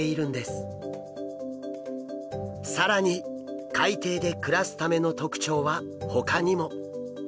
更に海底で暮らすための特徴はほかにも。